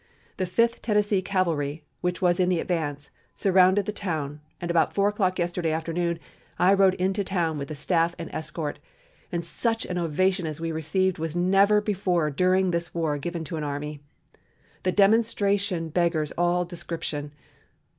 The Fifth Tennessee Cavalry, which was in the advance, surrounded the town, and about four o'clock yesterday afternoon I rode into town with the staff and escort, and such an ovation as we received was never before during this war given to any army. The demonstration beggars all description.